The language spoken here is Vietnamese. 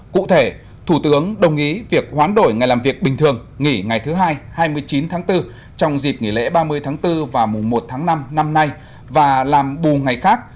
cụ thể thủ tướng đồng ý việc hoán đổi ngày làm việc bình thường nghỉ ngày thứ hai hai mươi chín tháng bốn trong dịp nghỉ lễ ba mươi tháng bốn và mùa một tháng năm năm nay và làm bù ngày khác